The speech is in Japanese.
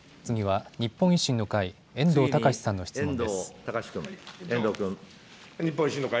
次は日本維新の会、遠藤敬さんの質問です。